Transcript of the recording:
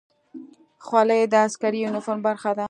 خولۍ د عسکري یونیفورم برخه ده.